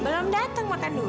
belum dateng makan dulu